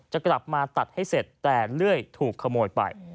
จะกลับมาตัดให้เสร็จแต่เลื่อยถูกขโมยไป